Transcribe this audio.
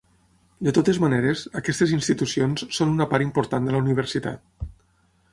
De totes maneres, aquestes institucions són una part important de la universitat.